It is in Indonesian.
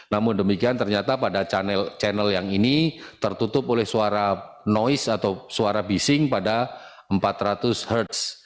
namun demikian ternyata pada channel yang ini tertutup oleh suara noise atau suara bising pada empat ratus herdz